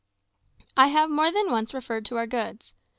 I have more than once referred to our goods.